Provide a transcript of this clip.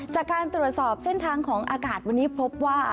จากการตรวจสอบเส้นทางของอากาศวันนี้พบว่า